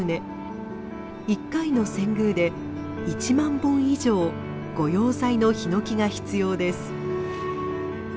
１回の遷宮で１万本以上御用材のヒノキが必要です。